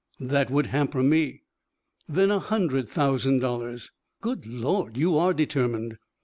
"That would hamper me." "Then a hundred thousand dollars." "Good Lord. You are determined."